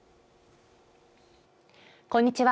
こんにちは。